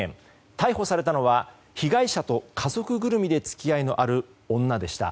逮捕されたのは被害者と家族ぐるみで付き合いのある女でした。